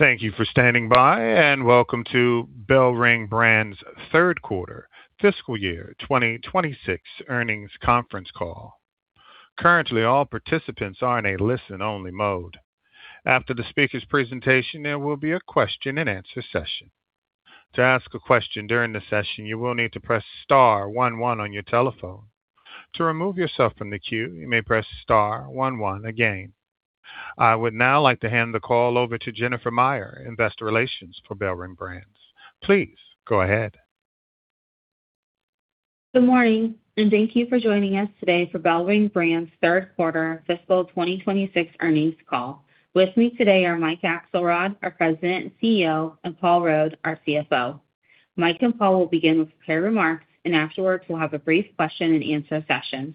Thank you for standing by, and welcome to BellRing Brands' Third Quarter Fiscal Year 2026 Earnings Conference Call. Currently, all participants are in a listen-only mode. After the speaker's presentation, there will be a question-and-answer session. To ask a question during the session, you will need to press star one one on your telephone. To remove yourself from the queue, you may press star one one again. I would now like to hand the call over to Jennifer Meyer, Investor Relations for BellRing Brands. Please go ahead. Good morning, and thank you for joining us today for BellRing Brands'Third Quarter Fiscal 2026 Earnings Call. With me today are Mike Axelrod, our President and CEO, and Paul Rode, our CFO. Mike and Paul will begin with prepared remarks, and afterwards we'll have a brief question and answer session.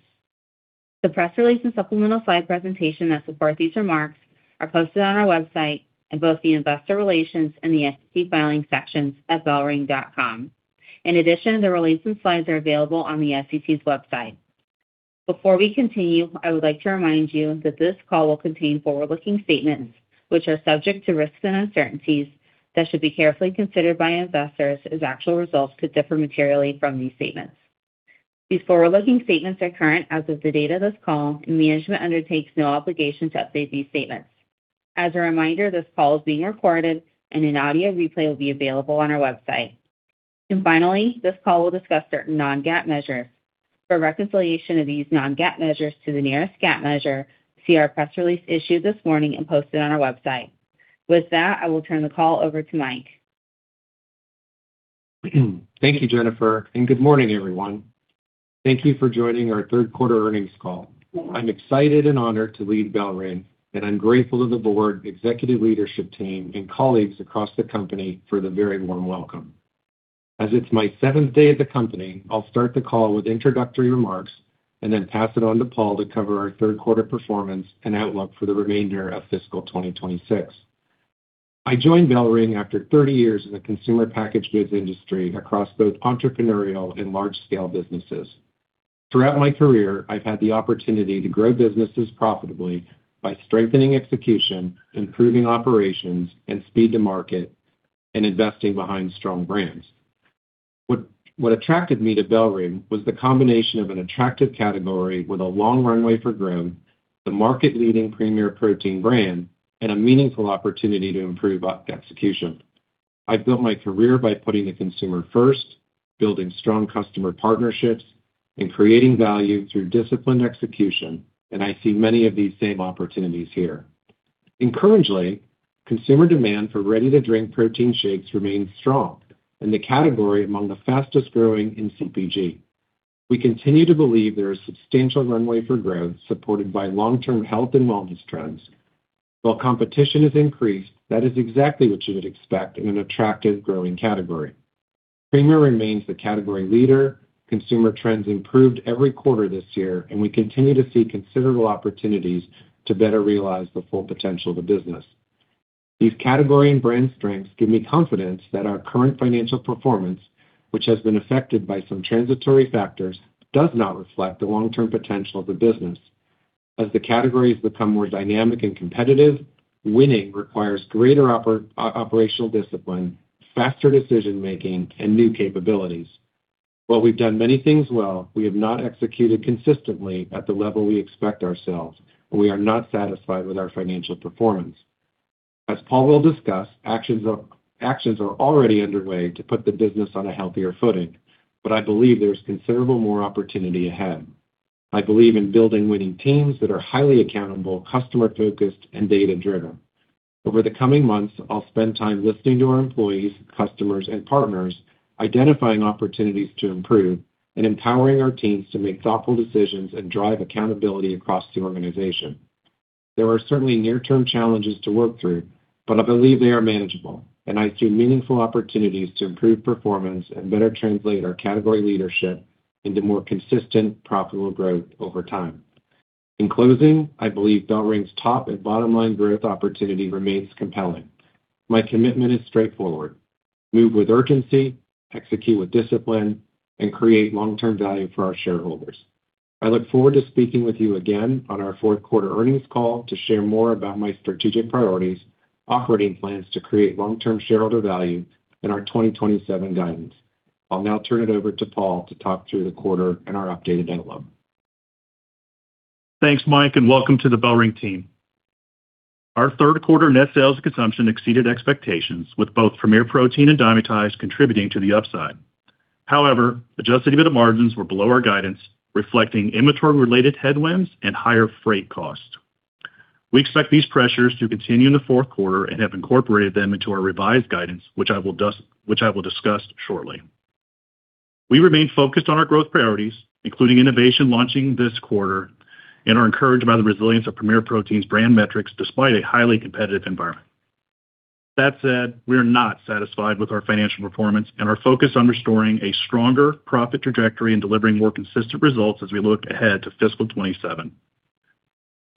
The press release and supplemental slide presentation that support these remarks are posted on our website in both the Investor Relations and the SEC Filings sections at bellring.com. In addition, the release and slides are available on the SEC's website. Before we continue, I would like to remind you that this call will contain forward-looking statements, which are subject to risks and uncertainties that should be carefully considered by investors, as actual results could differ materially from these statements. These forward-looking statements are current as of the date of this call, and management undertakes no obligation to update these statements. As a reminder, this call is being recorded and an audio replay will be available on our website. Finally, this call will discuss certain non-GAAP measures. For reconciliation of these non-GAAP measures to the nearest GAAP measure, see our press release issued this morning and posted on our website. With that, I will turn the call over to Mike. Thank you, Jennifer, and good morning, everyone. Thank you for joining our third quarter earnings call. I'm excited and honored to lead BellRing, and I'm grateful to the board, executive leadership team, and colleagues across the company for the very warm welcome. As it's my seventh day at the company, I'll start the call with introductory remarks and then pass it on to Paul to cover our third quarter performance and outlook for the remainder of fiscal 2026. I joined BellRing after 30 years in the consumer-packaged goods industry across both entrepreneurial and large-scale businesses. Throughout my career, I've had the opportunity to grow businesses profitably by strengthening execution, improving operations and speed to market, and investing behind strong brands. What attracted me to BellRing was the combination of an attractive category with a long runway for growth, the market-leading Premier Protein brand, and a meaningful opportunity to improve execution. I've built my career by putting the consumer first, building strong customer partnerships, and creating value through disciplined execution, and I see many of these same opportunities here. Encouragingly, consumer demand for ready-to-drink protein shakes remains strong, and the category among the fastest-growing in CPG. We continue to believe there is substantial runway for growth, supported by long-term health and wellness trends. While competition has increased, that is exactly what you would expect in an attractive growing category. Premier remains the category leader. Consumer trends improved every quarter this year, and we continue to see considerable opportunities to better realize the full potential of the business. These category and brand strengths give me confidence that our current financial performance, which has been affected by some transitory factors, does not reflect the long-term potential of the business. As the categories become more dynamic and competitive, winning requires greater operational discipline, faster decision-making, and new capabilities. While we've done many things well, we have not executed consistently at the level we expect ourselves, and we are not satisfied with our financial performance. As Paul will discuss, actions are already underway to put the business on a healthier footing, but I believe there's considerable more opportunity ahead. I believe in building winning teams that are highly accountable, customer-focused, and data-driven. Over the coming months, I'll spend time listening to our employees, customers and partners, identifying opportunities to improve and empowering our teams to make thoughtful decisions and drive accountability across the organization. There are certainly near-term challenges to work through, but I believe they are manageable, and I see meaningful opportunities to improve performance and better translate our category leadership into more consistent, profitable growth over time. In closing, I believe BellRing's top and bottom-line growth opportunity remains compelling. My commitment is straightforward: move with urgency, execute with discipline, and create long-term value for our shareholders. I look forward to speaking with you again on our fourth quarter earnings call to share more about my strategic priorities, operating plans to create long-term shareholder value, and our 2027 guidance. I'll now turn it over to Paul to talk through the quarter and our updated outlook. Thanks, Mike, and welcome to the BellRing team. Our third quarter net sales and consumption exceeded expectations with both Premier Protein and Dymatize contributing to the upside. However, adjusted EBITDA margins were below our guidance, reflecting inventory-related headwinds and higher freight costs. We expect these pressures to continue in the fourth quarter and have incorporated them into our revised guidance, which I will discuss shortly. We remain focused on our growth priorities, including innovation launching this quarter, and are encouraged by the resilience of Premier Protein's brand metrics despite a highly competitive environment. That said, we are not satisfied with our financial performance and are focused on restoring a stronger profit trajectory and delivering more consistent results as we look ahead to fiscal 2027.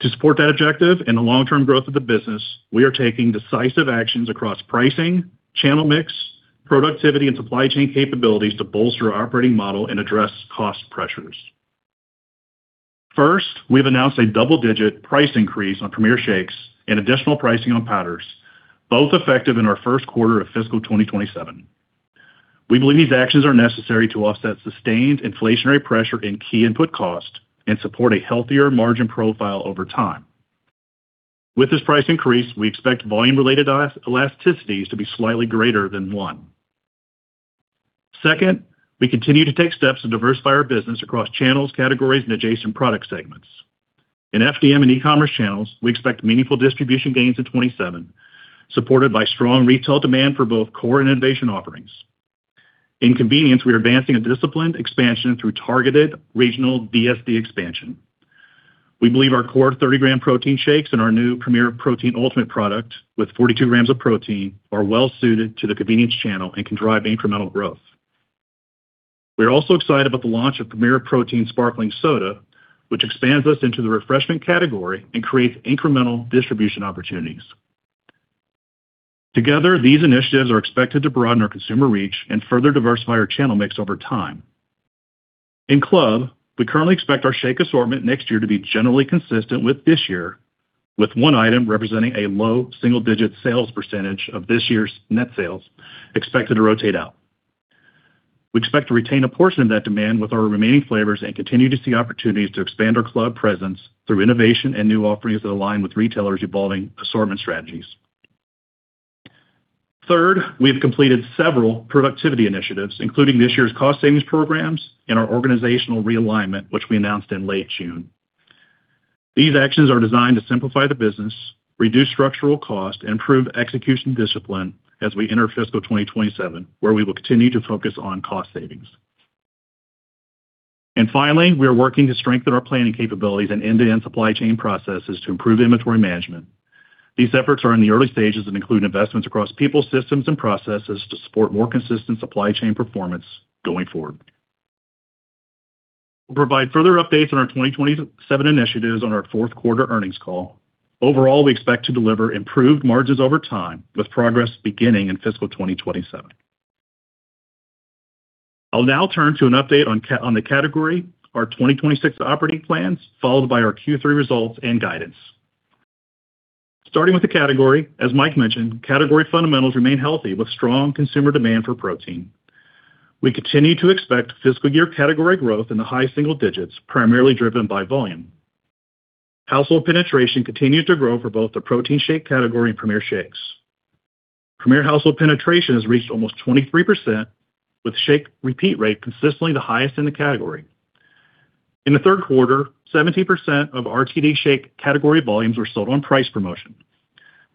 To support that objective and the long-term growth of the business, we are taking decisive actions across pricing, channel mix, productivity, and supply chain capabilities to bolster our operating model and address cost pressures. First, we've announced a double-digit price increase on Premier Shakes and additional pricing on powders, both effective in our first quarter of fiscal 2027. We believe these actions are necessary to offset sustained inflationary pressure in key input costs and support a healthier margin profile over time. With this price increase, we expect volume-related elasticities to be slightly greater than one. Second, we continue to take steps to diversify our business across channels, categories, and adjacent product segments. In FDM and e-commerce channels, we expect meaningful distribution gains in 2027, supported by strong retail demand for both core and innovation offerings. In convenience, we are advancing a disciplined expansion through targeted regional DSD expansion. We believe our core 30-gram protein shakes and our new Premier Protein Ultimate product with 42 grams of protein are well-suited to the convenience channel and can drive incremental growth. We are also excited about the launch of Premier Protein Sparkling Soda, which expands us into the refreshment category and creates incremental distribution opportunities. Together, these initiatives are expected to broaden our consumer reach and further diversify our channel mix over time. In club, we currently expect our shake assortment next year to be generally consistent with this year, with one item representing a low single-digit sales percentage of this year's net sales expected to rotate out. We expect to retain a portion of that demand with our remaining flavors and continue to see opportunities to expand our club presence through innovation and new offerings that align with retailers' evolving assortment strategies. Third, we have completed several productivity initiatives, including this year's cost savings programs and our organizational realignment, which we announced in late June. These actions are designed to simplify the business, reduce structural cost, and improve execution discipline as we enter fiscal 2027, where we will continue to focus on cost savings. Finally, we are working to strengthen our planning capabilities and end-to-end supply chain processes to improve inventory management. These efforts are in the early stages and include investments across people, systems, and processes to support more consistent supply chain performance going forward. We'll provide further updates on our 2027 initiatives on our fourth quarter earnings call. Overall, we expect to deliver improved margins over time with progress beginning in fiscal 2027. I'll now turn to an update on the category, our 2026 operating plans, followed by our Q3 results and guidance. Starting with the category, as Mike mentioned, category fundamentals remain healthy with strong consumer demand for protein. We continue to expect fiscal year category growth in the high single digits, primarily driven by volume. Household penetration continues to grow for both the protein shake category and Premier Shakes. Premier household penetration has reached almost 23%, with shake repeat rate consistently the highest in the category. In the third quarter, 70% of RTD shake category volumes were sold on price promotion.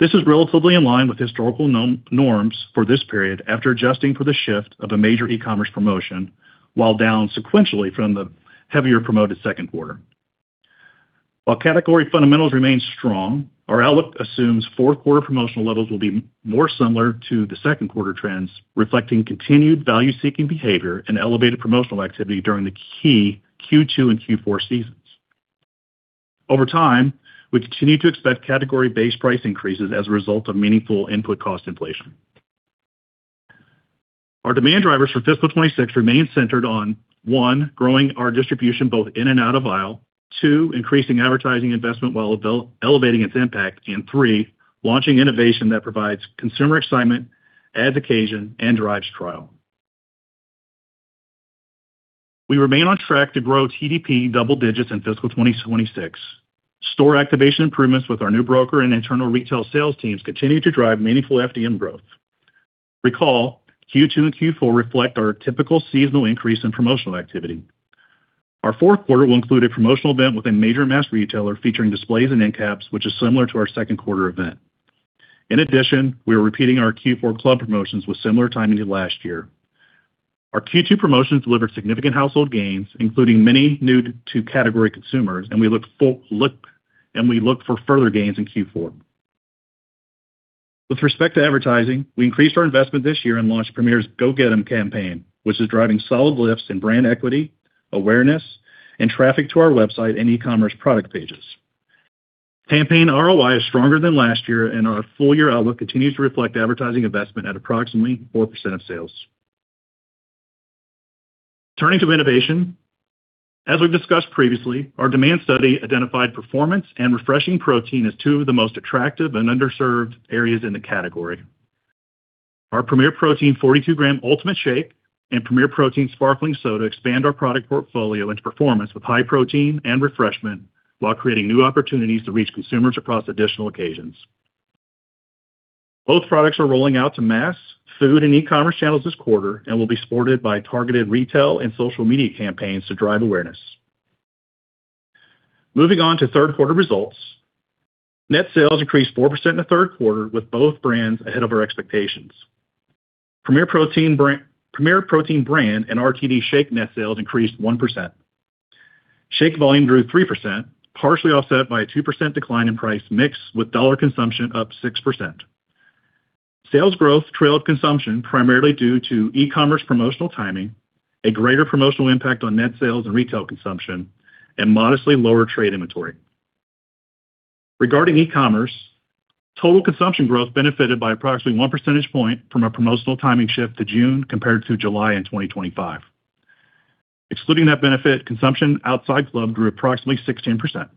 This is relatively in line with historical norms for this period after adjusting for the shift of a major e-commerce promotion while down sequentially from the heavier promoted second quarter. While category fundamentals remain strong, our outlook assumes fourth quarter promotional levels will be more similar to the second quarter trends, reflecting continued value-seeking behavior and elevated promotional activity during the key Q2 and Q4 seasons. Over time, we continue to expect category base price increases as a result of meaningful input cost inflation. Our demand drivers for fiscal 2026 remain centered on, one, growing our distribution both in and out of aisle. Two, increasing advertising investment while elevating its impact. Three, launching innovation that provides consumer excitement, adds occasion, and drives trial. We remain on track to grow TDP double digits in fiscal 2026. Store activation improvements with our new broker and internal retail sales teams continue to drive meaningful FDM growth. Recall, Q2 and Q4 reflect our typical seasonal increase in promotional activity. Our fourth quarter will include a promotional event with a major mass retailer featuring displays and end caps, which is similar to our second quarter event. In addition, we are repeating our Q4 club promotions with similar timing to last year. Our Q2 promotions delivered significant household gains, including many new-to-category consumers, and we look for further gains in Q4. With respect to advertising, we increased our investment this year and launched Premier's Go Get 'Em campaign, which is driving solid lifts in brand equity, awareness, and traffic to our website and e-commerce product pages. Campaign ROI is stronger than last year, and our full year outlook continues to reflect advertising investment at approximately 4% of sales. Turning to innovation. As we've discussed previously, our demand study identified performance and refreshing protein as two of the most attractive and underserved areas in the category. Our Premier Protein 42 Gram Ultimate Shake and Premier Protein Sparkling Soda expand our product portfolio into performance with high protein and refreshment while creating new opportunities to reach consumers across additional occasions. Both products are rolling out to mass, food, and e-commerce channels this quarter and will be supported by targeted retail and social media campaigns to drive awareness. Moving on to third quarter results. Net sales increased 4% in the third quarter with both brands ahead of our expectations. Premier Protein brand and RTD shake net sales increased 1%. Shake volume grew 3%, partially offset by a 2% decline in price mix with dollar consumption up 6%. Sales growth trailed consumption primarily due to e-commerce promotional timing, a greater promotional impact on net sales and retail consumption, and modestly lower trade inventory. Regarding e-commerce, total consumption growth benefited by approximately one percentage point from a promotional timing shift to June compared to July in 2025. Excluding that benefit, consumption outside club grew approximately 16%.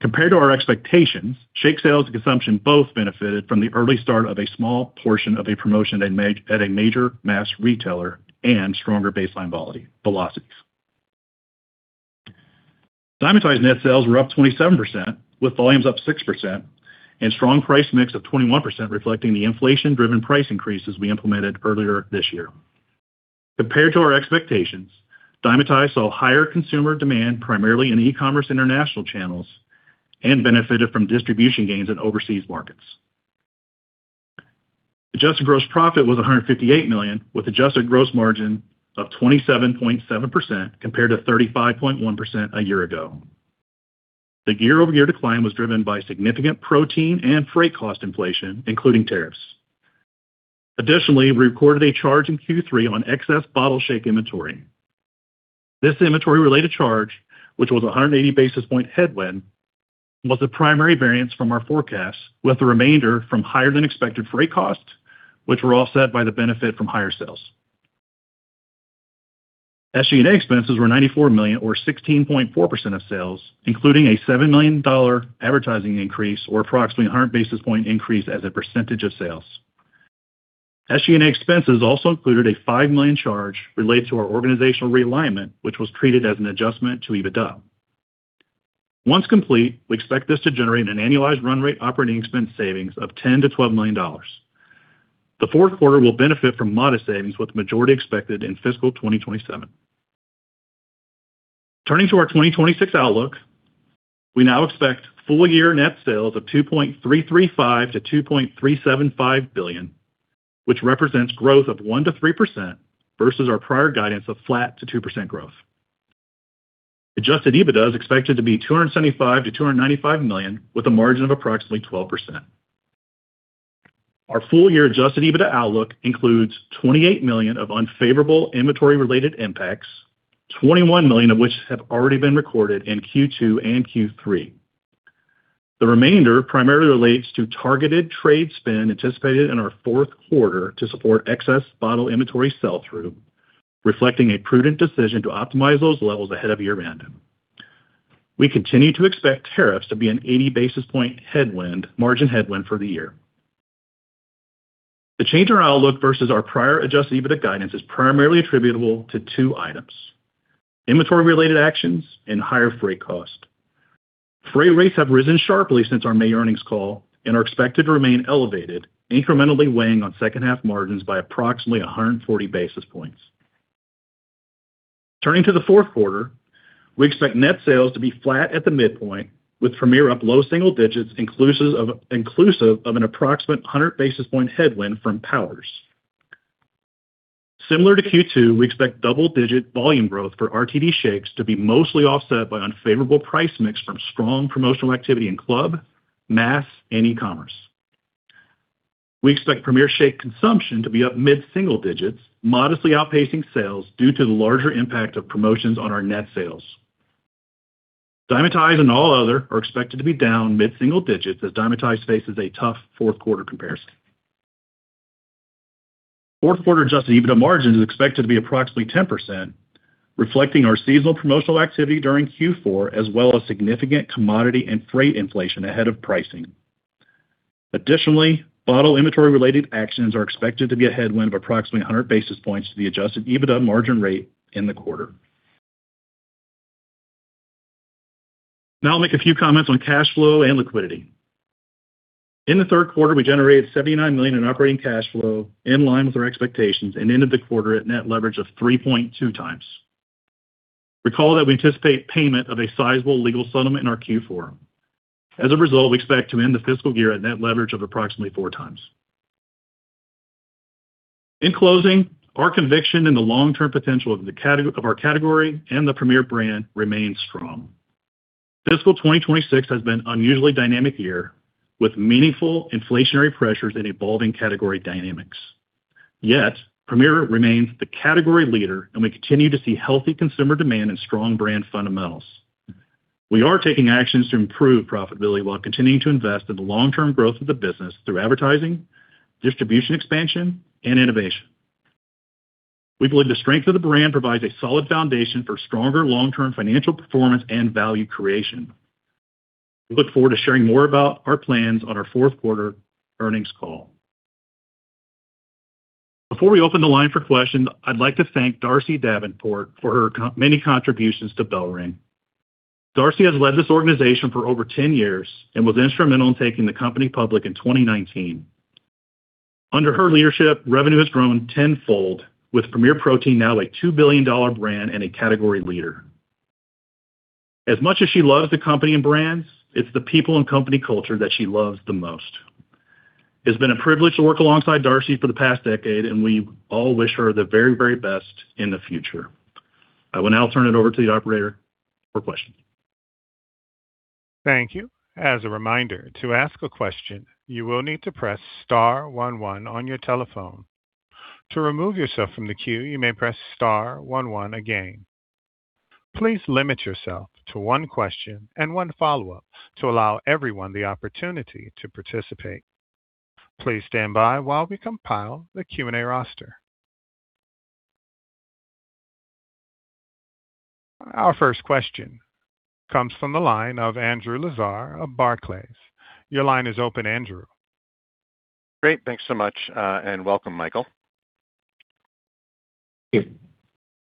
Compared to our expectations, shake sales and consumption both benefited from the early start of a small portion of a promotion at a major mass retailer and stronger baseline velocities. Dymatize net sales were up 27%, with volumes up 6% and strong price mix of 21%, reflecting the inflation-driven price increases we implemented earlier this year. Compared to our expectations, Dymatize saw higher consumer demand, primarily in e-commerce international channels, and benefited from distribution gains in overseas markets. Adjusted gross profit was $158 million, with adjusted gross margin of 27.7% compared to 35.1% a year ago. The year-over-year decline was driven by significant protein and freight cost inflation, including tariffs. Additionally, we recorded a charge in Q3 on excess bottle shake inventory. This inventory-related charge, which was 180 basis point headwind, was the primary variance from our forecast, with the remainder from higher-than-expected freight costs, which were offset by the benefit from higher sales. SG&A expenses were $94 million, or 16.4% of sales, including a $7 million advertising increase, or approximately 100 basis point increase as a percentage of sales. SG&A expenses also included a $5 million charge related to our organizational realignment, which was treated as an adjustment to EBITDA. Once complete, we expect this to generate an annualized run rate operating expense savings of $10 million-$12 million. The fourth quarter will benefit from modest savings, with the majority expected in fiscal 2027. Turning to our 2026 outlook, we now expect full-year net sales of $2.335 billion-$2.375 billion, which represents growth of 1%-3% versus our prior guidance of flat to 2% growth. Adjusted EBITDA is expected to be $275 million-$295 million, with a margin of approximately 12%. Our full-year adjusted EBITDA outlook includes $28 million of unfavorable inventory-related impacts, $21 million of which have already been recorded in Q2 and Q3. The remainder primarily relates to targeted trade spend anticipated in our fourth quarter to support excess bottle inventory sell-through, reflecting a prudent decision to optimize those levels ahead of year-end. We continue to expect tariffs to be an 80 basis point margin headwind for the year. The change in our outlook versus our prior adjusted EBITDA guidance is primarily attributable to two items, inventory-related actions and higher freight cost. Freight rates have risen sharply since our May earnings call and are expected to remain elevated, incrementally weighing on second-half margins by approximately 140 basis points. Turning to the fourth quarter, we expect net sales to be flat at the midpoint, with Premier up low single digits, inclusive of an approximate 100 basis point headwind from powders. Similar to Q2, we expect double-digit volume growth for RTD shakes to be mostly offset by unfavorable price mix from strong promotional activity in club, mass, and e-commerce. We expect Premier shake consumption to be up mid-single digits, modestly outpacing sales due to the larger impact of promotions on our net sales. Dymatize and all other are expected to be down mid-single digits as Dymatize faces a tough fourth quarter comparison. Fourth quarter adjusted EBITDA margin is expected to be approximately 10%, reflecting our seasonal promotional activity during Q4, as well as significant commodity and freight inflation ahead of pricing. Additionally, bottle inventory-related actions are expected to be a headwind of approximately 100 basis points to the adjusted EBITDA margin rate in the quarter. Now I'll make a few comments on cash flow and liquidity. In the third quarter, we generated $79 million in operating cash flow, in line with our expectations, and ended the quarter at net leverage of 3.2x. Recall that we anticipate payment of a sizable legal settlement in our Q4. As a result, we expect to end the fiscal year at net leverage of approximately 4x. In closing, our conviction in the long-term potential of our category and the Premier brand remains strong. Fiscal 2026 has been unusually dynamic year, with meaningful inflationary pressures and evolving category dynamics. Yet, Premier remains the category leader, and we continue to see healthy consumer demand and strong brand fundamentals. We are taking actions to improve profitability while continuing to invest in the long-term growth of the business through advertising, distribution expansion, and innovation. We believe the strength of the brand provides a solid foundation for stronger long-term financial performance and value creation. We look forward to sharing more about our plans on our fourth quarter earnings call. Before we open the line for questions, I'd like to thank Darcy Davenport for her many contributions to BellRing. Darcy has led this organization for over 10 years and was instrumental in taking the company public in 2019. Under her leadership, revenue has grown tenfold, with Premier Protein now a $2 billion brand and a category leader. As much as she loves the company and brands, it's the people and company culture that she loves the most. It's been a privilege to work alongside Darcy for the past decade, and we all wish her the very best in the future. I will now turn it over to the operator for questions. Thank you. As a reminder, to ask a question, you will need to press star one one on your telephone. To remove yourself from the queue, you may press star one one again. Please limit yourself to one question and one follow-up to allow everyone the opportunity to participate. Please stand by while we compile the Q&A roster. Our first question comes from the line of Andrew Lazar of Barclays. Your line is open, Andrew. Great. Thanks so much, and welcome, Michael.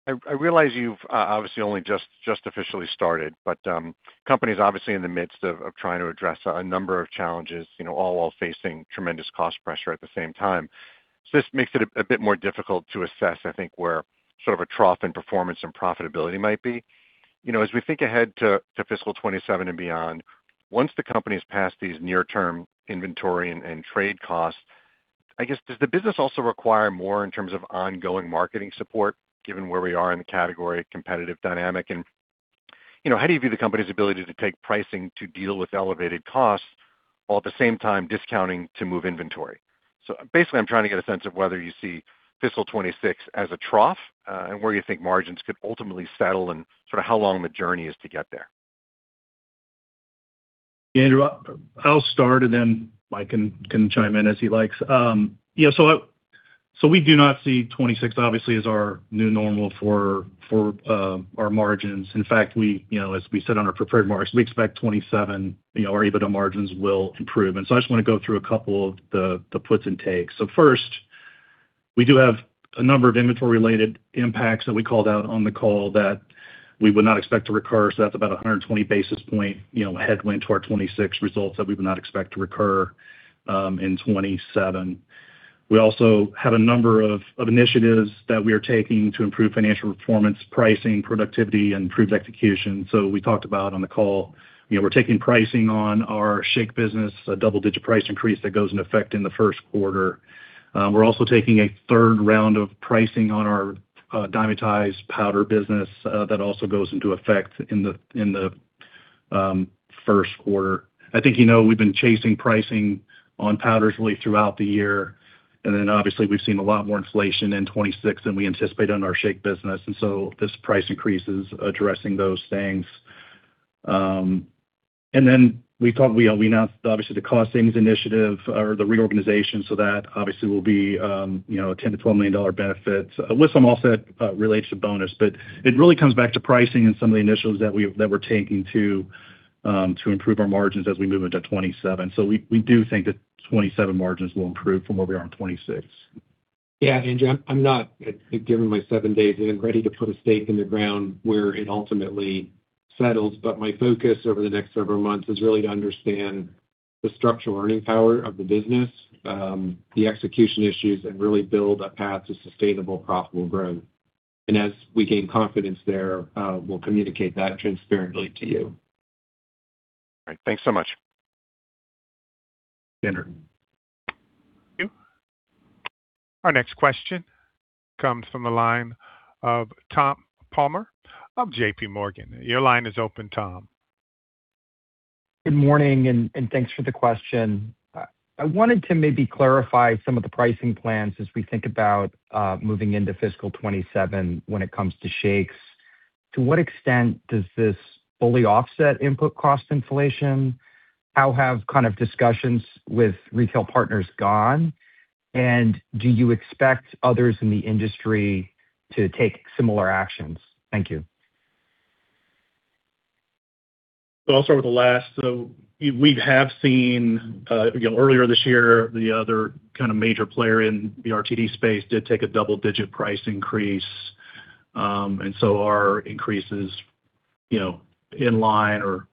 Thank you. I realize you've obviously only just officially started, the company's obviously in the midst of trying to address a number of challenges, all while facing tremendous cost pressure at the same time. This makes it a bit more difficult to assess, I think, where sort of a trough in performance and profitability might be. As we think ahead to fiscal 2027 and beyond, once the company's past these near-term inventory and trade costs, I guess, does the business also require more in terms of ongoing marketing support, given where we are in the category competitive dynamic? How do you view the company's ability to take pricing to deal with elevated costs, while at the same time discounting to move inventory? Basically, I'm trying to get a sense of whether you see fiscal 2026 as a trough, where you think margins could ultimately settle and sort of how long the journey is to get there. Andrew, I'll start Mike can chime in as he likes. We do not see 2026, obviously, as our new normal for our margins. In fact, as we said on our prepared remarks, we expect 2027 our EBITDA margins will improve. I just want to go through a couple of the puts and takes. First, we do have a number of inventory-related impacts that we called out on the call that we would not expect to recur. That's about 120 basis point headwind to our 2026 results that we would not expect to recur in 2027. We also have a number of initiatives that we are taking to improve financial performance, pricing, productivity, and improved execution. We talked about on the call, we're taking pricing on our shake business, a double-digit price increase that goes into effect in the first quarter. We're also taking a third round of pricing on our Dymatize powder business. That also goes into effect in the first quarter. I think you know we've been chasing pricing on powders really throughout the year, and then obviously we've seen a lot more inflation in 2026 than we anticipate on our shake business. This price increase is addressing those things. We announced, obviously, the cost savings initiative or the reorganization. That obviously will be a $10 million-$12 million benefit with some offset related to bonus. It really comes back to pricing and some of the initiatives that we're taking to improve our margins as we move into 2027. We do think that 2027 margins will improve from where we are in 2026. Yeah, Andrew, I'm not, given my seven days in, ready to put a stake in the ground where it ultimately settles. My focus over the next several months is really to understand the structural earning power of the business, the execution issues, and really build a path to sustainable, profitable growth. As we gain confidence there, we'll communicate that transparently to you. All right. Thanks so much. Andrew. Thank you. Our next question comes from the line of Tom Palmer of JPMorgan. Your line is open, Tom. Good morning, thanks for the question. I wanted to maybe clarify some of the pricing plans as we think about moving into fiscal 2027 when it comes to shakes. To what extent does this fully offset input cost inflation? How have discussions with retail partners gone? Do you expect others in the industry to take similar actions? Thank you. I'll start with the last. We have seen, earlier this year, the other major player in the RTD space did take a double-digit price increase. Our increase is in line or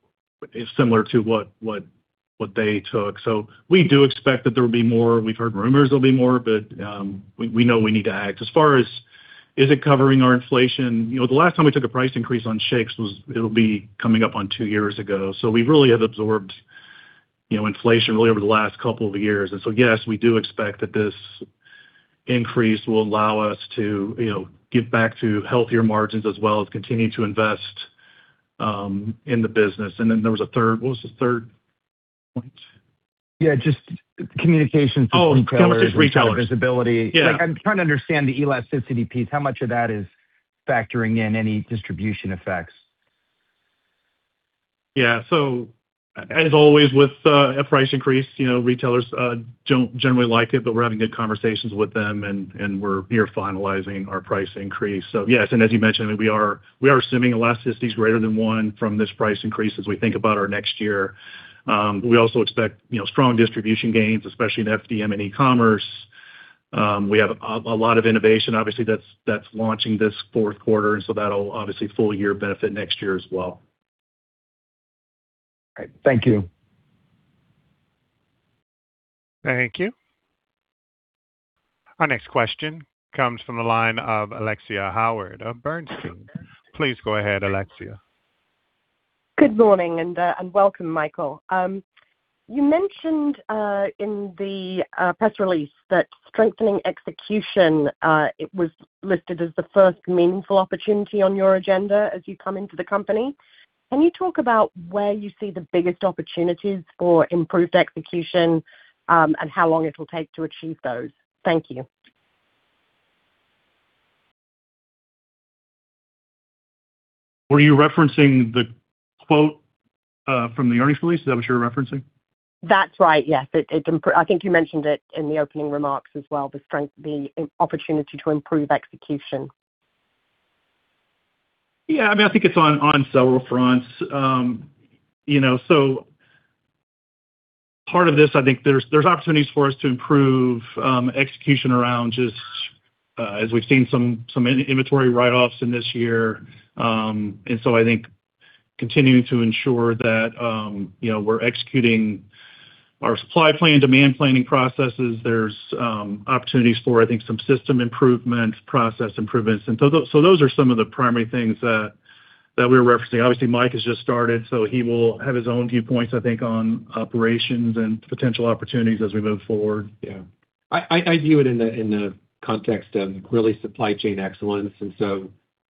similar to what they took. We do expect that there'll be more. We've heard rumors there'll be more. We know we need to act. As far as, is it covering our inflation? The last time we took a price increase on shakes, it'll be coming up on two years ago. We really have absorbed inflation really over the last couple of years. Yes, we do expect that this increase will allow us to get back to healthier margins as well as continue to invest in the business. There was a third. What was the third point? Just communication to retailers. Conversations with retailers. Kind of visibility. Yeah. I'm trying to understand the elasticity piece. How much of that is factoring in any distribution effects? Yeah. As always with a price increase, retailers don't generally like it, but we're having good conversations with them, and we're finalizing our price increase. Yes, and as you mentioned, we are assuming elasticity is greater than one from this price increase as we think about our next year. We also expect strong distribution gains, especially in FDM and e-commerce. We have a lot of innovation, obviously, that's launching this fourth quarter, and so that'll obviously full-year benefit next year as well. All right. Thank you. Thank you. Our next question comes from the line of Alexia Howard of Bernstein. Please go ahead, Alexia. Good morning, and welcome, Michael. You mentioned in the press release that strengthening execution, it was listed as the first meaningful opportunity on your agenda as you come into the company. Can you talk about where you see the biggest opportunities for improved execution, and how long it will take to achieve those? Thank you. Were you referencing the quote from the earnings release? Is that what you were referencing? That's right, yes. I think you mentioned it in the opening remarks as well, the opportunity to improve execution. Yeah, I think it's on several fronts. Part of this, I think there's opportunities for us to improve execution around just as we've seen some inventory write-offs in this year. I think continuing to ensure that we're executing our supply plan, demand planning processes. There's opportunities for, I think, some system improvement, process improvements. Those are some of the primary things that we're referencing. Obviously, Mike has just started, he will have his own viewpoints, I think, on operations and potential opportunities as we move forward. Yeah. I view it in the context of really supply chain excellence,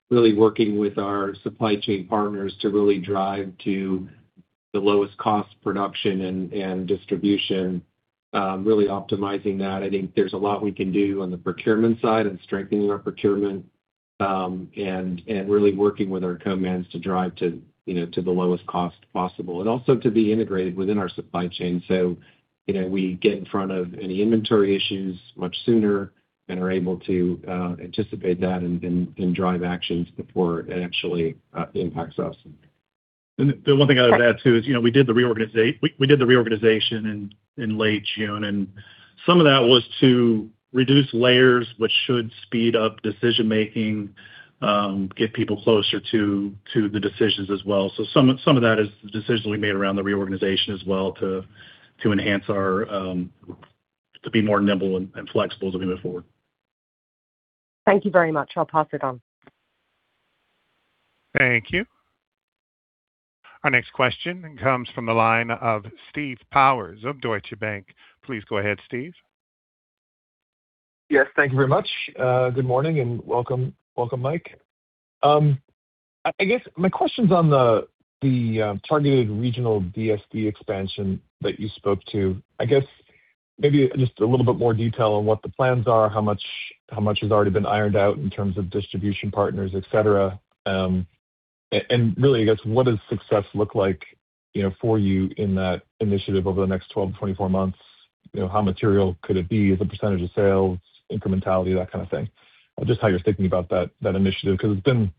really working with our supply chain partners to really drive to the lowest cost production and distribution, really optimizing that. I think there's a lot we can do on the procurement side and strengthening our procurement, and really working with our co-mans to drive to the lowest cost possible and also to be integrated within our supply chain. We get in front of any inventory issues much sooner and are able to anticipate that and drive actions before it actually impacts us. The one thing I would add, too is, we did the reorganization in late June, and some of that was to reduce layers, which should speed up decision-making, get people closer to the decisions as well. Some of that is decisions we made around the reorganization as well to be more nimble and flexible as we move forward. Thank you very much. I'll pass it on. Thank you. Our next question comes from the line of Steve Powers of Deutsche Bank. Please go ahead, Steve. Yes, thank you very much. Good morning, and welcome, Mike. I guess my question's on the targeted regional DSD expansion that you spoke to. I guess maybe just a little bit more detail on what the plans are, how much has already been ironed out in terms of distribution partners, et cetera. Really, I guess, what does success look like for you in that initiative over the next 12-24 months? How material could it be as a percentage of sales, incrementality, that kind of thing? Just how you're thinking about that initiative, because it's been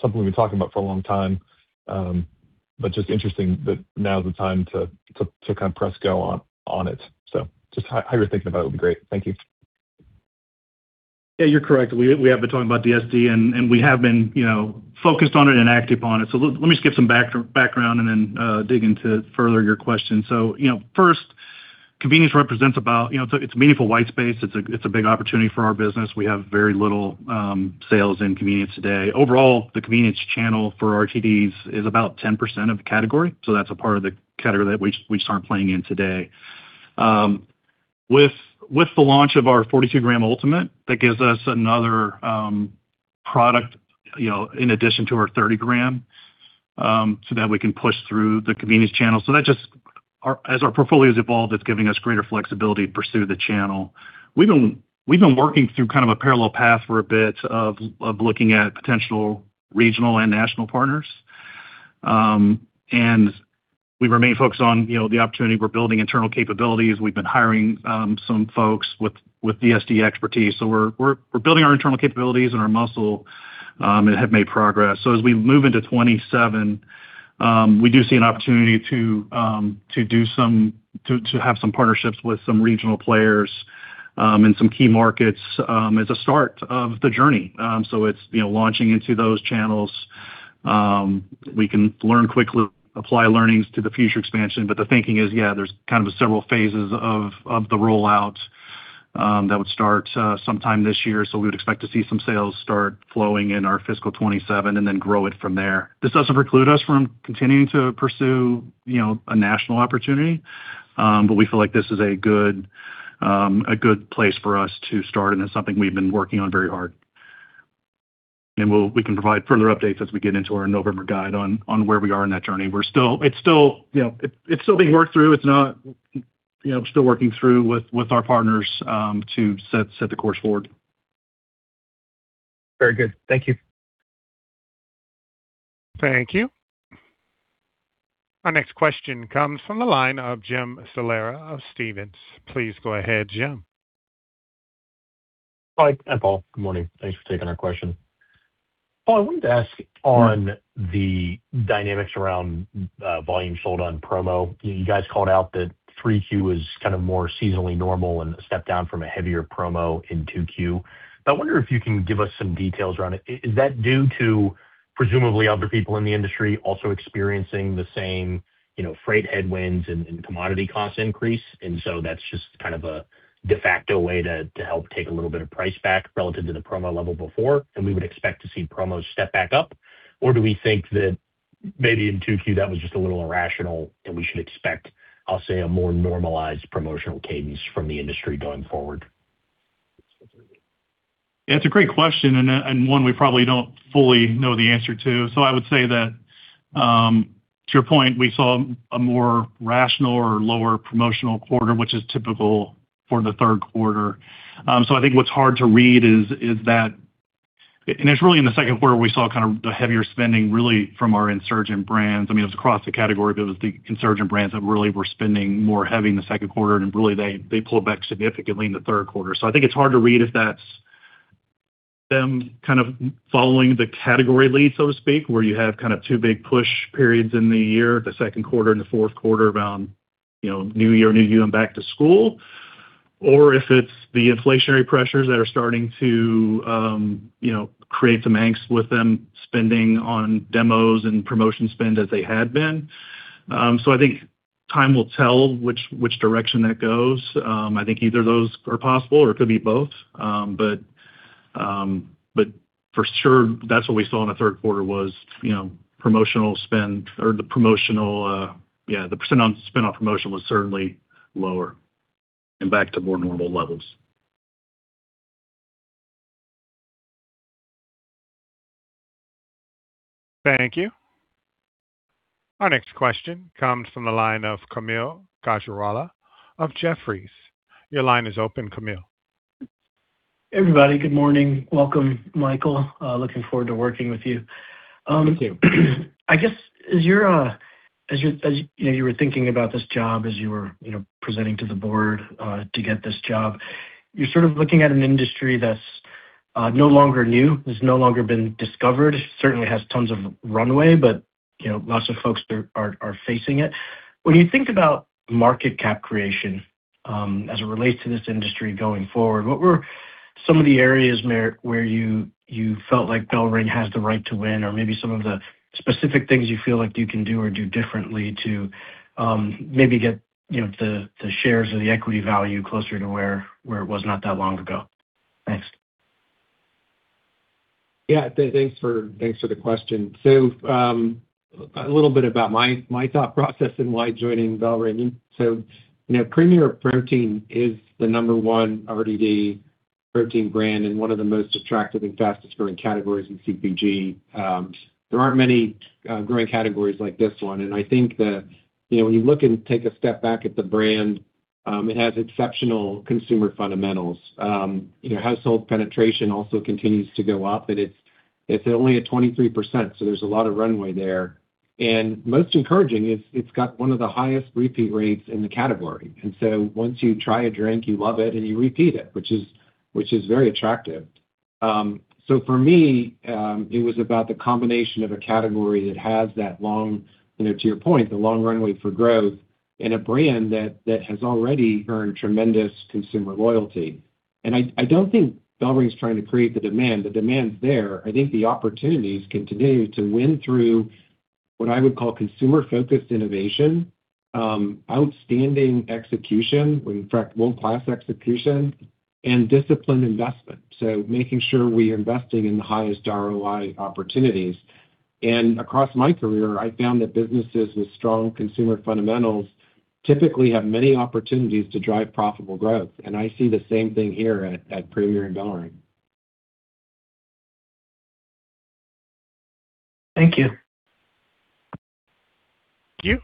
something we've been talking about for a long time, but just interesting that now's the time to kind of press go on it. Just how you're thinking about it would be great. Thank you. Yeah, you're correct. We have been talking about DSD, and we have been focused on it and active on it. Let me just give some background and then dig into further your question. First, convenience represents about-- it's a meaningful white space. It's a big opportunity for our business. We have very little sales in convenience today. Overall, the convenience channel for RTDs is about 10% of the category, that's a part of the category that we just aren't playing in today. With the launch of our 42-gram Ultimate, that gives us another product in addition to our 30-gram, that we can push through the convenience channel. As our portfolio's evolved, it's giving us greater flexibility to pursue the channel. We've been working through kind of a parallel path for a bit of looking at potential regional and national partners. We remain focused on the opportunity. We're building internal capabilities. We've been hiring some folks with DSD expertise. We're building our internal capabilities and our muscle, and have made progress. As we move into 2027, we do see an opportunity to have some partnerships with some regional players in some key markets as a start of the journey. It's launching into those channels. We can learn quickly, apply learnings to the future expansion. The thinking is, yeah, there's kind of several phases of the rollout that would start sometime this year. We would expect to see some sales start flowing in our fiscal 2027 and then grow it from there. This doesn't preclude us from continuing to pursue a national opportunity. We feel like this is a good place for us to start, and it's something we've been working on very hard. We can provide further updates as we get into our November guide on where we are in that journey. It's still being worked through. We're still working through with our partners to set the course forward. Very good. Thank you. Thank you. Our next question comes from the line of Jim Salera of Stephens. Please go ahead, Jim. Mike and Paul, good morning. Thanks for taking our question. Paul, I wanted to ask on the dynamics around volume sold on promo. You guys called out that 3Q is kind of more seasonally normal and a step down from a heavier promo in 2Q. I wonder if you can give us some details around it. Is that due to presumably other people in the industry also experiencing the same freight headwinds and commodity cost increase? That's just kind of a de facto way to help take a little bit of price back relative to the promo level before, and we would expect to see promos step back up? Do we think that maybe in 2Q, that was just a little irrational and we should expect, I'll say, a more normalized promotional cadence from the industry going forward? Yeah, it's a great question, and one we probably don't fully know the answer to. I would say that. To your point, we saw a more rational or lower promotional quarter, which is typical for the third quarter. I think what's hard to read is that, and it's really in the second quarter, we saw kind of the heavier spending really from our insurgent brands. It was across the category, but it was the insurgent brands that really were spending more heavy in the second quarter, and really, they pulled back significantly in the third quarter. I think it's hard to read if that's them kind of following the category lead, so to speak, where you have kind of two big push periods in the year, the second quarter and the fourth quarter around New Year, New You and back to school, or if it's the inflationary pressures that are starting to create some angst with them spending on demos and promotion spend as they had been. I think time will tell which direction that goes. I think either of those are possible, or it could be both. For sure, that's what we saw in the third quarter was promotional spend or, yeah, the percent on spend on promotional was certainly lower and back to more normal levels. Thank you. Our next question comes from the line of Kaumil Gajrawala of Jefferies. Your line is open, Kaumil. Everybody, good morning. Welcome, Michael. Looking forward to working with you. Thank you. I guess as you were thinking about this job, as you were presenting to the board to get this job, you're sort of looking at an industry that's no longer new, that's no longer been discovered. Certainly has tons of runway, but lots of folks are facing it. When you think about market cap creation as it relates to this industry going forward, what were some of the areas where you felt like BellRing has the right to win? Or maybe some of the specific things you feel like you can do or do differently to maybe get the shares or the equity value closer to where it was not that long ago? Thanks. Yeah, thanks for the question. A little bit about my thought process and why joining BellRing. Premier Protein is the number one RTD protein brand and one of the most attractive and fastest-growing categories in CPG. There aren't many growing categories like this one. I think that when you look and take a step back at the brand, it has exceptional consumer fundamentals. Household penetration also continues to go up, and it's only at 23%, so there's a lot of runway there. Most encouraging is it's got one of the highest repeat rates in the category. Once you try a drink, you love it, and you repeat it, which is very attractive. For me, it was about the combination of a category that has that long, to your point, the long runway for growth and a brand that has already earned tremendous consumer loyalty. I don't think BellRing's trying to create the demand. The demand's there. I think the opportunities continue to win through, what I would call consumer-focused innovation, outstanding execution, in fact, world-class execution, and disciplined investment. Making sure we are investing in the highest ROI opportunities. Across my career, I found that businesses with strong consumer fundamentals typically have many opportunities to drive profitable growth. I see the same thing here at Premier and BellRing. Thank you. Thank you.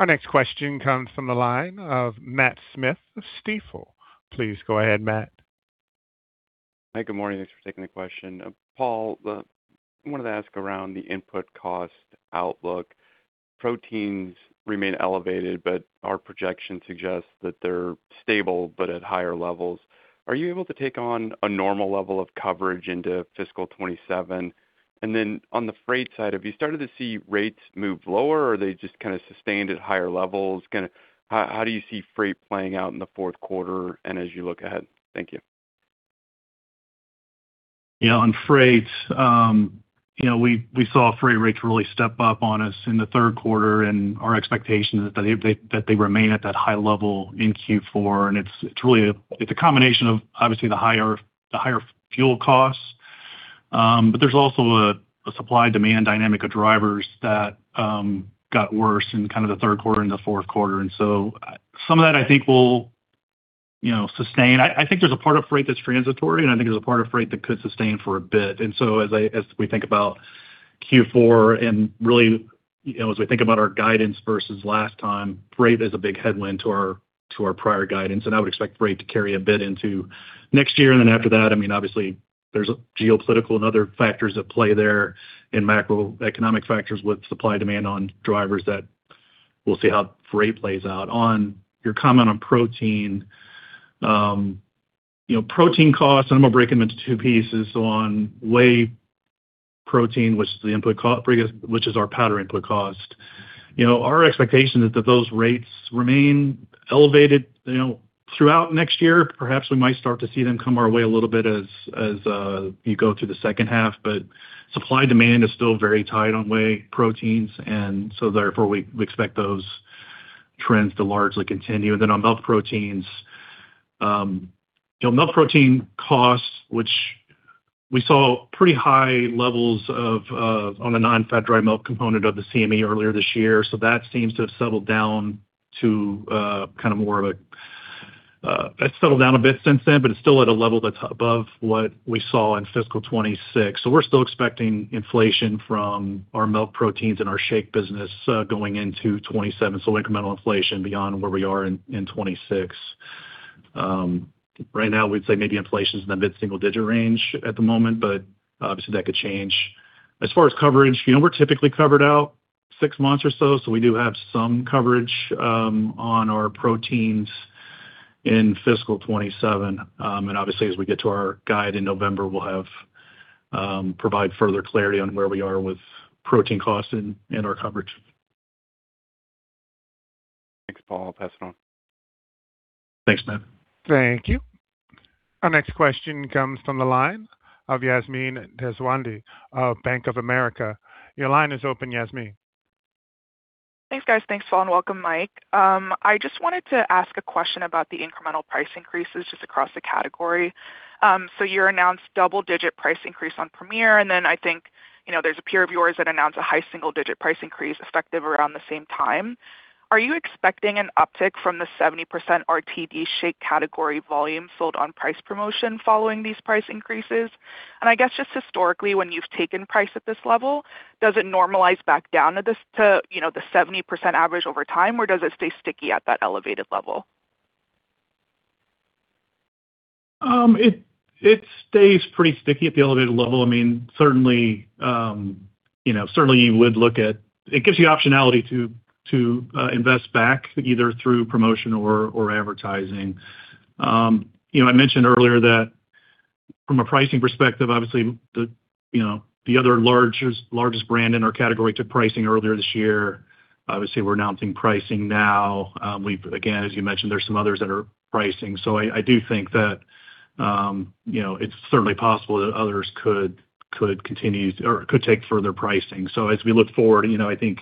Our next question comes from the line of Matt Smith of Stifel. Please go ahead, Matt. Hi. Good morning. Thanks for taking the question. Paul, I wanted to ask around the input cost outlook. Proteins remain elevated, but our projection suggests that they're stable but at higher levels. Are you able to take on a normal level of coverage into fiscal 2027? Then on the freight side, have you started to see rates move lower, or are they just kind of sustained at higher levels? How do you see freight playing out in the fourth quarter and as you look ahead? Thank you. Yeah. On freight, we saw freight rates really step up on us in the third quarter. Our expectation is that they remain at that high level in Q4. It's a combination of obviously the higher fuel costs. There's also a supply-demand dynamic of drivers that got worse in kind of the third quarter and the fourth quarter. Some of that I think will sustain. I think there's a part of freight that's transitory, and I think there's a part of freight that could sustain for a bit. As we think about Q4 and really as we think about our guidance versus last time, freight is a big headwind to our prior guidance, and I would expect freight to carry a bit into next year. After that, obviously, there's geopolitical and other factors at play there and macroeconomic factors with supply-demand on drivers that we'll see how freight plays out. On your comment on protein. Protein costs, I'm going to break them into two pieces. On whey protein, which is our powder input cost. Our expectation is that those rates remain elevated throughout next year. Perhaps we might start to see them come our way a little bit as you go through the second half. Supply-demand is still very tight on whey proteins, therefore, we expect those trends to largely continue. On milk proteins. Milk protein costs, which we saw pretty high levels on the non-fat dry milk component of the CME earlier this year. That seems to have settled down. It's settled down a bit since then, but it's still at a level that's above what we saw in fiscal 2026. We're still expecting inflation from our milk proteins and our shake business going into 2027. Incremental inflation beyond where we are in 2026. Right now, we'd say maybe inflation's in the mid-single-digit range at the moment, but obviously that could change. As far as coverage, we're typically covered out six months or so, we do have some coverage on our proteins in fiscal 2027. Obviously, as we get to our guide in November, we'll provide further clarity on where we are with protein costs and our coverage. Thanks, Paul. I'll pass it on. Thanks, man. Thank you. Our next question comes from the line of Yasmine Deswandhy of Bank of America. Your line is open, Yasmine. Thanks, guys. Thanks, Paul, and welcome, Mike. I just wanted to ask a question about the incremental price increases just across the category. You announced double-digit price increase on Premier, and then I think there's a peer of yours that announced a high single-digit price increase effective around the same time. Are you expecting an uptick from the 70% RTD shake category volume sold on price promotion following these price increases? I guess just historically, when you've taken price at this level, does it normalize back down to the 70% average over time, or does it stay sticky at that elevated level? It stays pretty sticky at the elevated level. It gives you optionality to invest back either through promotion or advertising. I mentioned earlier that from a pricing perspective, obviously the other largest brand in our category took pricing earlier this year. Obviously, we're announcing pricing now. Again, as you mentioned, there's some others that are pricing. I do think that it's certainly possible that others could take further pricing. As we look forward, I think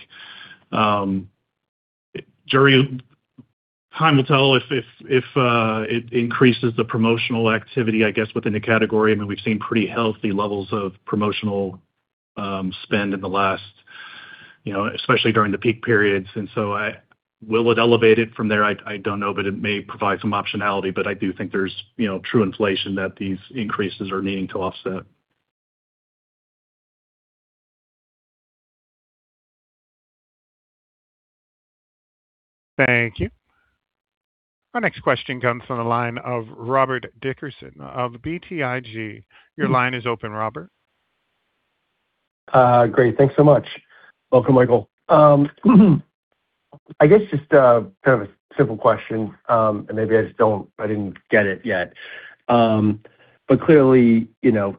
time will tell if it increases the promotional activity, I guess, within the category. We've seen pretty healthy levels of promotional spend in the last-- especially during the peak periods. Will it elevate it from there? I don't know, but it may provide some optionality. I do think there's true inflation that these increases are needing to offset. Thank you. Our next question comes from the line of Robert Dickerson of BTIG. Your line is open, Robert. Great. Thanks so much. Welcome, Michael. I guess just kind of a simple question, and maybe I didn't get it yet. Clearly,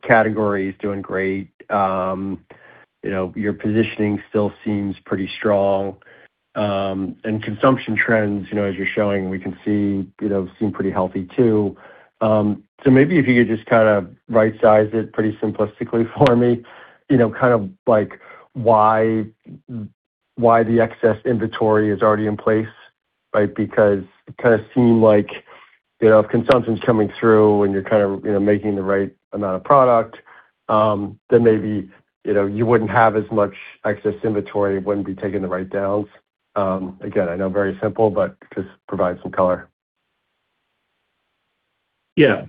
category is doing great. Your positioning still seems pretty strong. Consumption trends, as you're showing, we can see seem pretty healthy, too. Maybe if you could just kind of right size it pretty simplistically for me, kind of why the excess inventory is already in place, right? Because it kind of seemed like if consumption's coming through and you're kind of making the right amount of product, then maybe you wouldn't have as much excess inventory, wouldn't be taking the write downs. Again, I know very simple, but just provide some color. Yeah.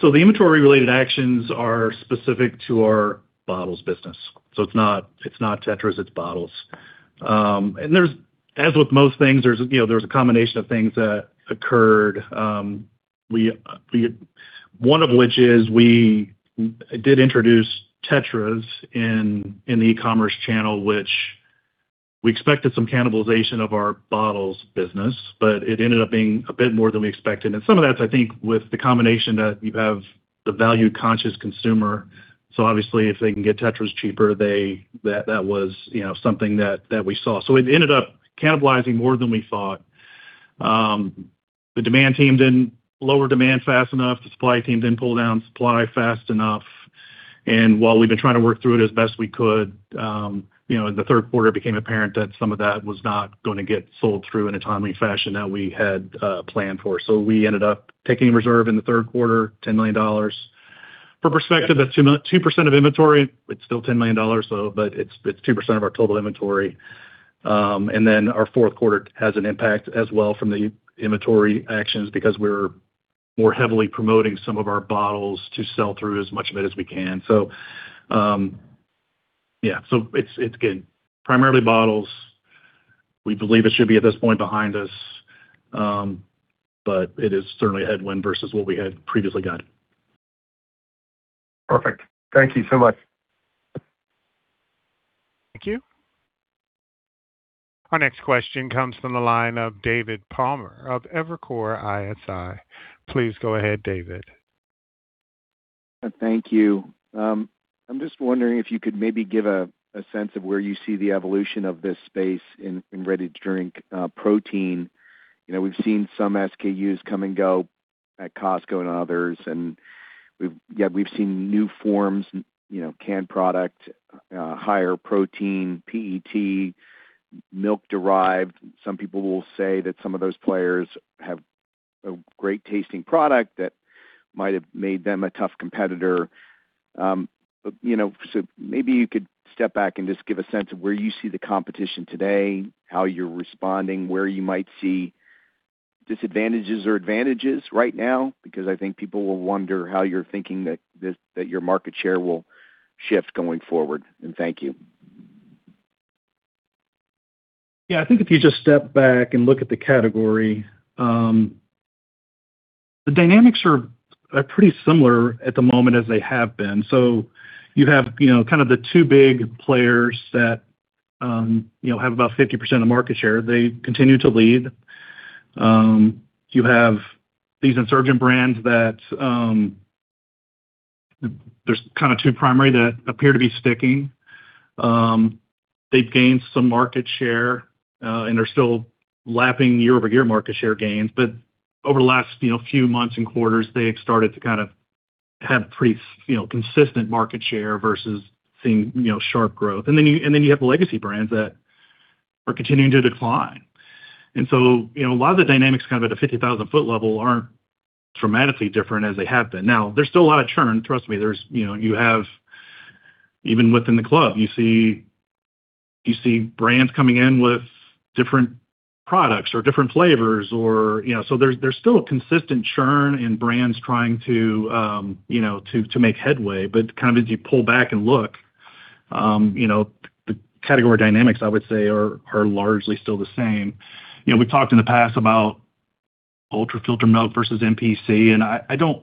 The inventory-related actions are specific to our bottles business. It's not tetras, it's bottles. As with most things, there's a combination of things that occurred. One of which is we did introduce tetras in the e-commerce channel, which we expected some cannibalization of our bottles business, but it ended up being a bit more than we expected. Some of that, I think, with the combination that you have the value-conscious consumer. Obviously if they can get tetras cheaper, that was something that we saw. It ended up cannibalizing more than we thought. The demand team didn't lower demand fast enough. The supply team didn't pull down supply fast enough. While we've been trying to work through it as best we could, in the third quarter, it became apparent that some of that was not going to get sold through in a timely fashion that we had planned for. We ended up taking a reserve in the third quarter, $10 million. For perspective, that's 2% of inventory. It's still $10 million, but it's 2% of our total inventory. Our fourth quarter has an impact as well from the inventory actions because we're more heavily promoting some of our bottles to sell through as much of it as we can. Again, primarily bottles. We believe it should be at this point behind us, but it is certainly a headwind versus what we had previously guided. Perfect. Thank you so much. Thank you. Our next question comes from the line of David Palmer of Evercore ISI. Please go ahead, David. Thank you. I'm just wondering if you could maybe give a sense of where you see the evolution of this space in ready-to-drink protein. We've seen some SKUs come and go at Costco and others, yet we've seen new forms, canned product, higher protein, PET, milk-derived. Some people will say that some of those players have a great-tasting product that might have made them a tough competitor. Maybe you could step back and just give a sense of where you see the competition today, how you're responding, where you might see disadvantages or advantages right now, because I think people will wonder how you're thinking that your market share will shift going forward. Thank you. Yeah, I think if you just step back and look at the category, the dynamics are pretty similar at the moment as they have been. You have, kind of the two big players that have about 50% of market share. They continue to lead. You have these insurgent brands that, there's kind of two primary that appear to be sticking. They've gained some market share, and they're still lapping year-over-year market share gains. Over the last few months and quarters, they have started to kind of have pretty consistent market share versus seeing sharp growth. You have legacy brands that are continuing to decline. A lot of the dynamics kind of at a 50,000-foot level aren't dramatically different as they have been. Now, there's still a lot of churn, trust me. Even within the club, you see brands coming in with different products or different flavors. There's still a consistent churn in brands trying to make headway. Kind of as you pull back and look, the category dynamics, I would say, are largely still the same. We've talked in the past about ultra-filtered milk versus MPC, and I don't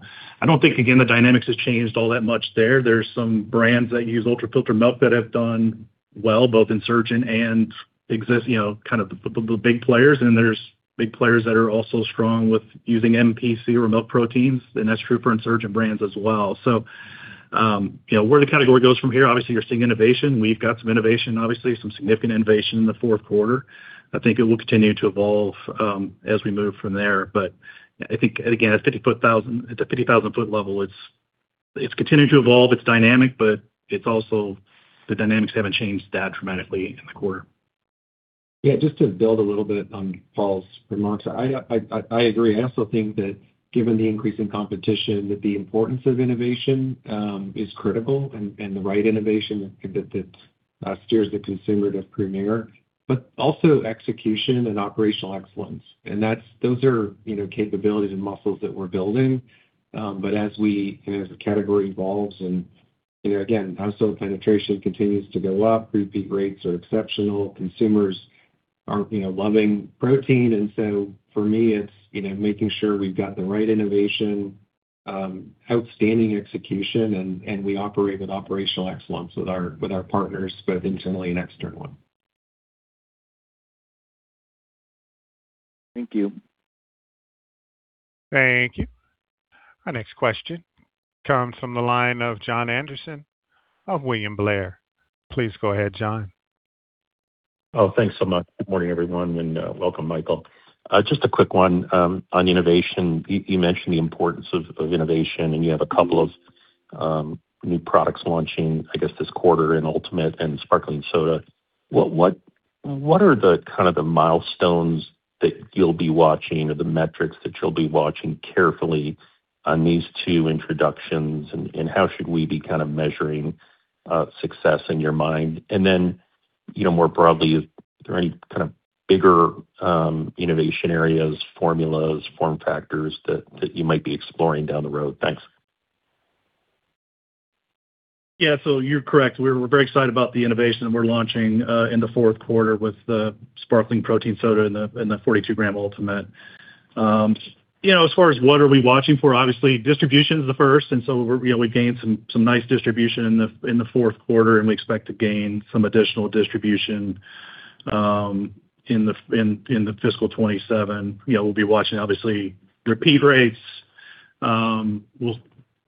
think, again, the dynamics have changed all that much there. There's some brands that use ultra-filtered milk that have done well, both insurgent and existing, kind of the big players, and there's big players that are also strong with using MPC or milk proteins, and that's true for insurgent brands as well. Where the category goes from here, obviously you're seeing innovation. We've got some innovation, obviously, some significant innovation in the fourth quarter. I think it will continue to evolve as we move from there. I think, again, at the 50,000-foot level, it's continuing to evolve. It's dynamic, but the dynamics haven't changed that dramatically in the quarter. Yeah, just to build a little bit on Paul's remarks. I agree. I also think that given the increase in competition, that the importance of innovation is critical and the right innovation that steers the consumer to Premier, but also execution and operational excellence. Those are capabilities and muscles that we're building. As the category evolves and, again, household penetration continues to go up, repeat rates are exceptional. Consumers are loving protein. For me, it's making sure we've got the right innovation, outstanding execution, and we operate with operational excellence with our partners, both internally and externally. Thank you. Thank you. Our next question comes from the line of Jon Andersen of William Blair. Please go ahead, Jon. Thanks so much. Good morning, everyone, and welcome, Michael. Just a quick one on innovation. You mentioned the importance of innovation. You have a couple of new products launching, I guess, this quarter in Ultimate and Sparkling Soda. What are the kind of the milestones that you'll be watching or the metrics that you'll be watching carefully on these two introductions, and how should we be kind of measuring success in your mind? More broadly, are there any kind of bigger innovation areas, formulas, form factors that you might be exploring down the road? Thanks. Yeah. You're correct. We're very excited about the innovation that we're launching in the fourth quarter with the Sparkling Protein Soda and the 42-gram Ultimate. As far as what are we watching for, obviously, distribution is the first. We gained some nice distribution in the fourth quarter, and we expect to gain some additional distribution in the fiscal 2027. We'll be watching, obviously, repeat rates. We'll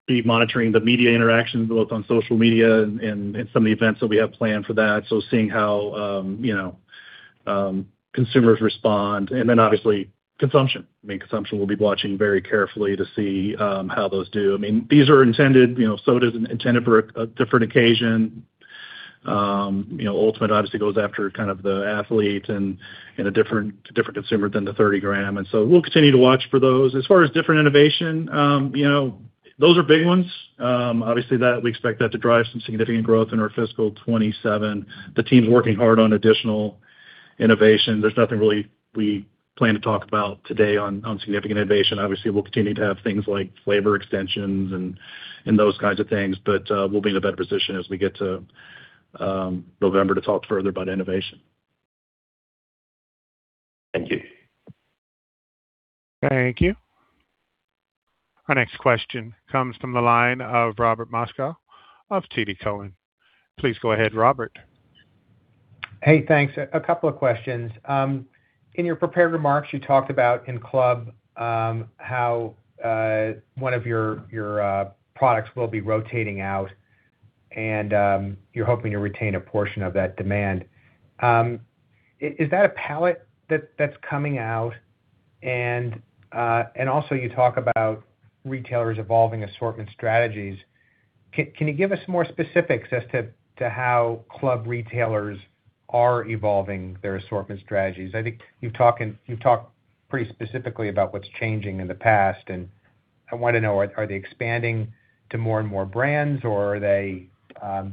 be monitoring the media interactions both on social media and some of the events that we have planned for that, so seeing how consumers respond. Obviously, consumption. I mean, consumption, we'll be watching very carefully to see how those do. I mean, these are intended, soda's intended for a different occasion. Ultimate obviously goes after kind of the athlete and a different consumer than the 30-gram. We'll continue to watch for those. As far as different innovation, those are big ones. Obviously, we expect that to drive some significant growth in our fiscal 2027. The team's working hard on additional innovation. There's nothing really we plan to talk about today on significant innovation. Obviously, we'll continue to have things like flavor extensions and those kinds of things. We'll be in a better position as we get to November to talk further about innovation. Thank you. Thank you. Our next question comes from the line of Robert Moskow of TD Cowen. Please go ahead, Robert. Hey, thanks. A couple of questions. In your prepared remarks, you talked about in club, how one of your products will be rotating out, and you're hoping to retain a portion of that demand. Is that a pallet that's coming out? Also, you talk about retailers evolving assortment strategies. Can you give us more specifics as to how club retailers are evolving their assortment strategies? I think you've talked pretty specifically about what's changing in the past, and I want to know, are they expanding to more and more brands, or are they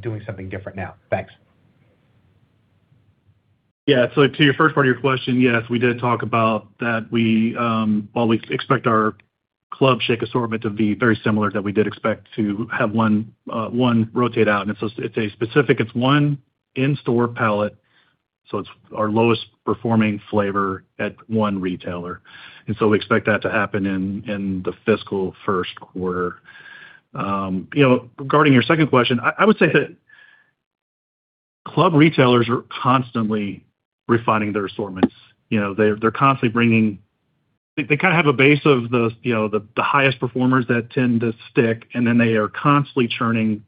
doing something different now? Thanks. Yeah. To your first part of your question, yes, we did talk about that while we expect our club shake assortment to be very similar, that we did expect to have one rotate out, and it's a specific, it's one in-store palette, so it's our lowest-performing flavor at one retailer. We expect that to happen in the fiscal first quarter. Regarding your second question, I would say that club retailers are constantly refining their assortments. They kind of have a base of the highest performers that tend to stick. They are constantly churning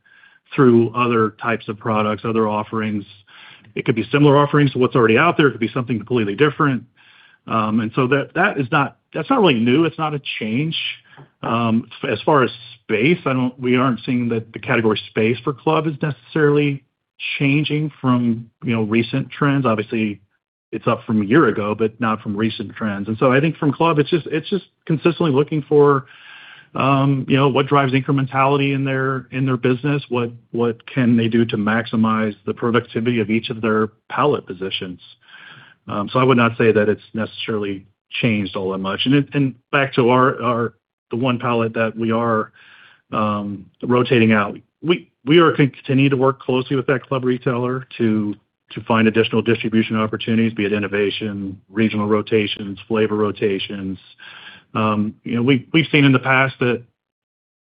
through other types of products, other offerings. It could be similar offerings to what's already out there. It could be something completely different. That's not really new. It's not a change. As far as space, we aren't seeing that the category space for club is necessarily changing from recent trends. Obviously, it's up from a year ago, but not from recent trends. I think from club, it's just consistently looking for what drives incrementality in their business. What can they do to maximize the productivity of each of their pallet positions? I would not say that it's necessarily changed all that much. Back to the one pallet that we are rotating out, we are continuing to work closely with that club retailer to find additional distribution opportunities, be it innovation, regional rotations, flavor rotations. We've seen in the past that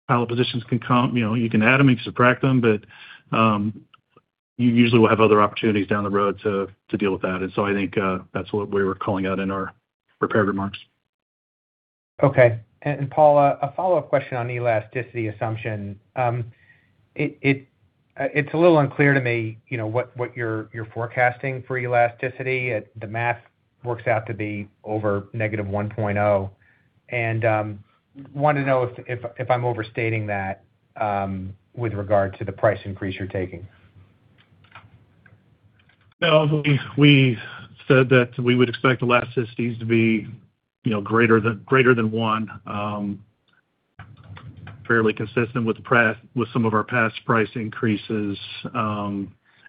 pallet positions can come, you can add them, you can subtract them, but you usually will have other opportunities down the road to deal with that. I think that's what we were calling out in our prepared remarks. Okay. Paul, a follow-up question on elasticity assumption. It's a little unclear to me what you're forecasting for elasticity. The math works out to be over -1.0. I wanted to know if I'm overstating that with regard to the price increase you're taking. No, we said that we would expect elasticities to be greater than one, fairly consistent with some of our past price increases.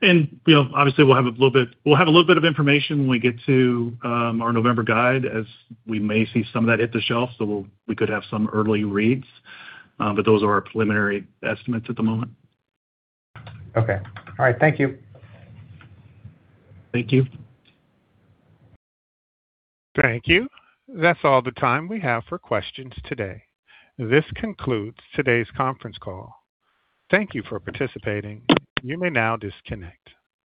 Obviously we'll have a little bit of information when we get to our November guide as we may see some of that hit the shelf, so we could have some early reads. Those are our preliminary estimates at the moment. Okay. All right. Thank you. Thank you. Thank you. That's all the time we have for questions today. This concludes today's conference call. Thank you for participating. You may now disconnect.